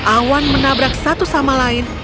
awan menabrak satu sama lain